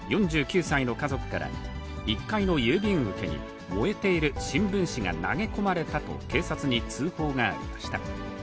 ４９歳の家族から、１階の郵便受けに燃えている新聞紙が投げ込まれたと、警察に通報がありました。